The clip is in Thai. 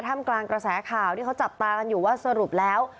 ทำกลางกระแสข่าวที่เขาจับตากันอยู่ว่าสรุปแล้ว